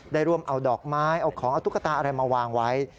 ได้ร่วมเอาดอกไม้เอาของเอาตุ๊กตาอะไรมาวางไว้